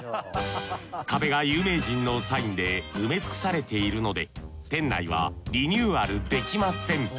壁が有名人のサインで埋め尽くされているので店内はリニューアルできません。